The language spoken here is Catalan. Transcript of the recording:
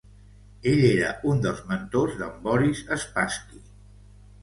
Ell era un dels mentors d'en Boris Spassky.